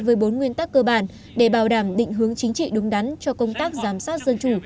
với bốn nguyên tắc cơ bản để bảo đảm định hướng chính trị đúng đắn cho công tác giám sát dân chủ